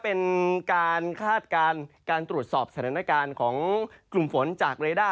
เป็นการคาดการณ์การตรวจสอบสถานการณ์ของกลุ่มฝนจากเรด้า